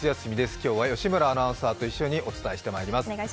今日は吉村アナウンサーと一緒にお送りしていきます。